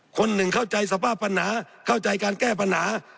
คนหนึ่งเข้าใจสภาพปัญหาเข้าใจการแก้ปัญหา